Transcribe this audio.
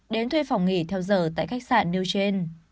đến thuê phòng nghỉ theo giờ tại khách sạn new chain